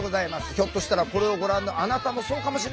ひょっとしたらこれをご覧のあなたもそうかもしれない！